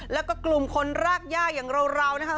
แล้วก็กลุ่มคนรากย่าอย่างเรานะคะ